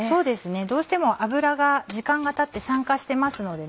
どうしても油が時間がたって酸化してますのでね